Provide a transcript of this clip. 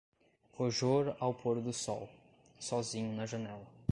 Rojor ao pôr do sol, sozinho na janela.